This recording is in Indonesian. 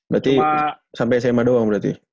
berarti sampai sma doang berarti